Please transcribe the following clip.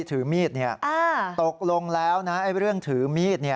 ถือมีดตกลงแล้วนะเรื่องถือมีด